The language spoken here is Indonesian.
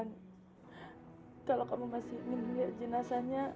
dan kalau kamu masih ingin lihat jenazahnya